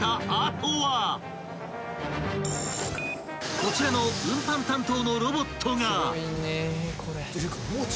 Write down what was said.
［こちらの運搬担当のロボットが］